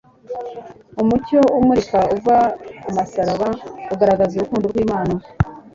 Umucyo umurika uva ku musaraba ugaragaza urukundo rw’Imana